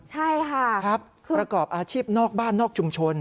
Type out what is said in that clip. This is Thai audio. ใช่ค่ะครับประกอบอาชีพนอกบ้านนอกชุมชน